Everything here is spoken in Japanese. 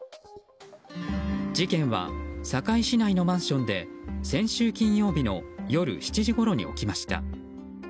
事件は堺市内のマンションで先週金曜日の夜７時ごろに起きました。